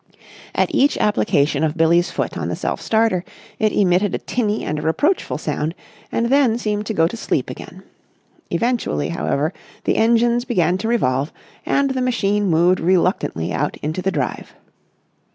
At each application of Billie's foot on the self starter, it emitted a tinny and reproachful sound and then seemed to go to sleep again. Eventually, however, the engines began to revolve and the machine moved reluctantly out into the drive.